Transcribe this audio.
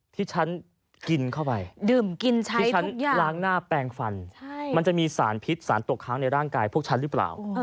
ที่ฉันกินเข้าไปดื่มกินฉันที่ฉันล้างหน้าแปลงฟันมันจะมีสารพิษสารตกค้างในร่างกายพวกฉันหรือเปล่า